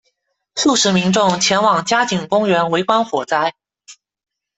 数十民众前往佳景公园围观火灾。